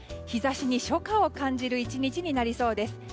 日差しに初夏を感じる１日になりそうです。